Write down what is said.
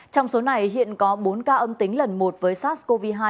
trong số này hiện có bốn ca âm tính lần một với sars cov hai